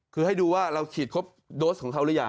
คือให้ดูว่าเราฉีดครบโดสของเขาหรือยัง